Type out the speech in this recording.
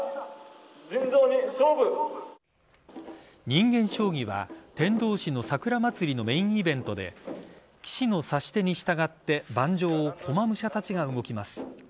人間将棋は天童市の桜まつりのメインイベントで棋士の指し手に従って盤上を駒武者たちが動きます。